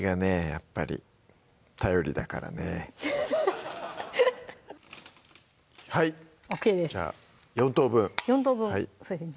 やっぱり頼りだからねはいじゃあ４等分４等分そうですね